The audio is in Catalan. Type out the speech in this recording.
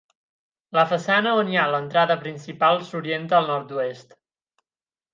La façana on hi ha l'entrada principal s'orienta al nord-oest.